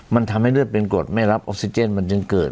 มันทำให้เลือดเป็นกรดไม่รับออกซิเจนมันจึงเกิด